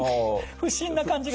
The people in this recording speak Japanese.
不審な感じが。